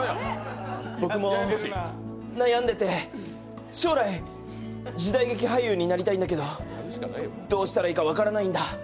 僕、悩んでて、将来、時代劇俳優になりたいんだけど、どうしたらいいか分からないんだ。